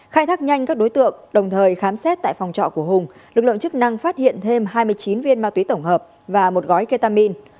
khai thác nhanh các đối tượng đồng thời khám xét tại phòng trọ của hùng lực lượng chức năng phát hiện thêm hai mươi chín viên ma túy tổng hợp và một gói ketamin